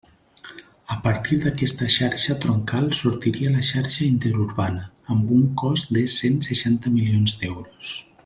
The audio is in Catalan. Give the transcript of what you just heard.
A partir d'aquesta xarxa troncal sortiria la xarxa interurbana, amb un cost de cent seixanta milions d'euros.